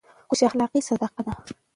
خوش اخلاقي صدقه ده.